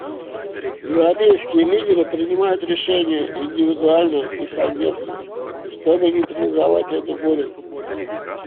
Европейские лидеры принимают решения, индивидуально и совместно, чтобы нейтрализовать эту бурю.